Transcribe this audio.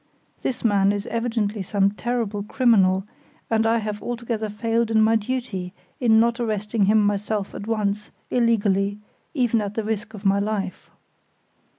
This man is evidently some terrible criminal, and I have altogether failed in my duty in not arresting him myself at once, illegally, even at the risk of my life."